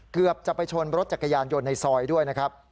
เกือบจะไปชนรถจักรยานยนต์ในซอยด้วยนะครับ